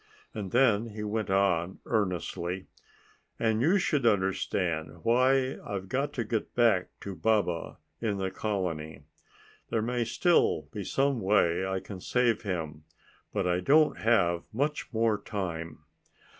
And then he went on earnestly, "And you should understand why I've got to get back to Baba in the colony. There may still be some way I can save him. But I don't have much more time."